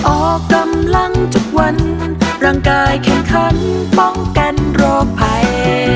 ออกกำลังทุกวันร่างกายแข่งขันป้องกันโรคภัย